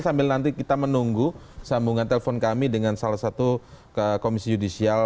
sambil nanti kita menunggu sambungan telepon kami dengan salah satu komisi judisial